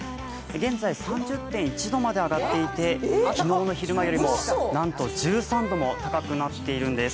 現在３０．１度まで上がっていて、昨日の昼間よりも、なんと１３度も高くなっているんです。